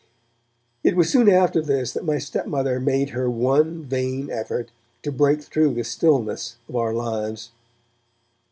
It was soon after this that my stepmother made her one vain effort to break though the stillness of our lives.